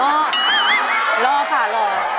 รอค่ะรอ